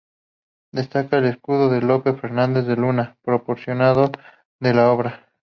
Destaca el escudo de Lope Fernández de Luna, patrocinador de la obra.